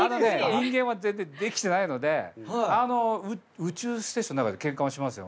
人間は全然できてないので宇宙ステーションの中でケンカもしますよ。